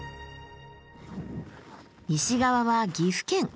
西側は岐阜県。